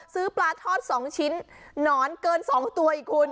ซื้อปลาทอด๒ชิ้นหนอนเกิน๒ตัวอีกคุณ